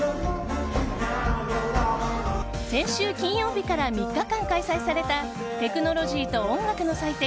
先週金曜日から３日間開催されたテクノロジーと音楽の祭典